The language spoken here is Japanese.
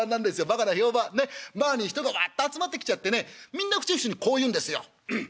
バカに人がワッと集まってきちゃってねみんな口々にこう言うんですよ。